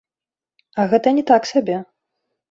А гэта не так сабе.